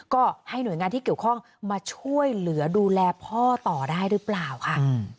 ก็ให้หน่วยงานที่เกี่ยวข้องมาช่วยเหลือดูแลพ่อต่อได้หรือเปล่าค่ะ